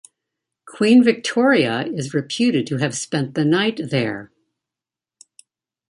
Queen Victoria is reputed to have spent the night there.